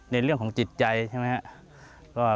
ในเรื่องของจิตใจใช่ไหมครับ